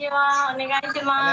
お願いします。